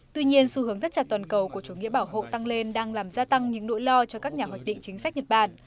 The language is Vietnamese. tuy nhiên xu hướng thất chặt toàn cầu của chủ nghĩa bảo hộ tăng lên đang làm gia tăng những nỗi lo cho các nhà hoạch định chính sách nhật bản